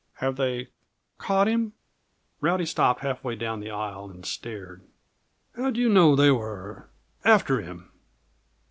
"Have they caught him?" Rowdy stopped half way down the aisle and stared. "How did you know they were after him?"